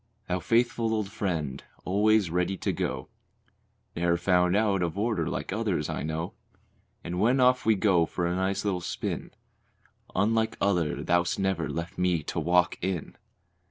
Thou faithful old friend, always ready to go; Ne'er found out of order like others I know; And when off we go for a nice little spin, Unlike others, thou'st never left me to "walk in."